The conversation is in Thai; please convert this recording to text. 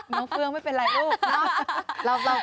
น้องเฟื้องไม่เป็นไรลูก